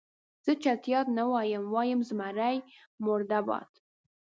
زه چټیات نه وایم، وایم زمري مرده باد.